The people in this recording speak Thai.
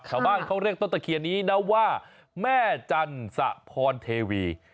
ชาวบ้านเขาเรียกต้นตะเคียนนี้นะว่าแม่จันสะพรเทวี